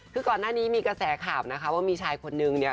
คือก่อนหน้านี้มีกระแสข่าวนะคะว่ามีชายคนนึงเนี่ย